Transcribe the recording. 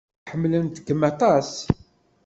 Ḥemmlent-kem aṭas.